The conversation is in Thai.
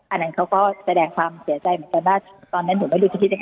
อันนั้นเขาก็แสดงความเสียใจเหมือนกันนะตอนนั้นคด้าหลุมรู้สีขี้แต่